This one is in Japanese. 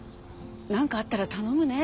何かあったら頼むね。